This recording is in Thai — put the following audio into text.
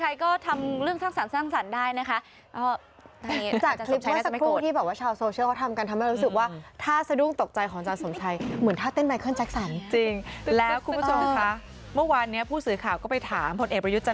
ยุชนโอชารสนิทและรัฐมนตรี